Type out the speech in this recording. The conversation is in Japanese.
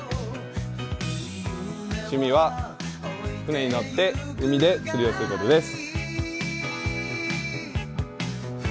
趣味は船に乗って海で釣りをすることです。